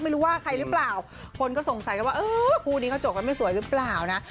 ไม่รู้ว่าใครหรือเปล่าคนก็สงสัยกันว่าเออคู่นี้เขาจบกันไม่สวยหรือเปล่านะ